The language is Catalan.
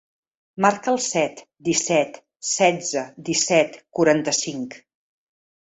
Marca el set, disset, setze, disset, quaranta-cinc.